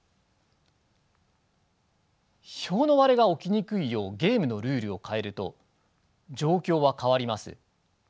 票の割れが起きにくいようゲームのルールを変えると状況は変わります。